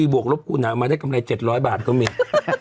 เธอบวกลบคูณหารออกมาได้กำไร๗๐๐บาทก็มี